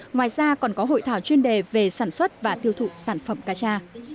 ngoài ra còn có hội thảo chuyên đề về sản xuất và tiêu thụ sản phẩm cá cha